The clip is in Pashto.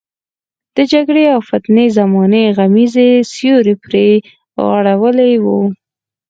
د جګړې او فتنې د زمانې غمیزې سیوری پرې غوړولی وو.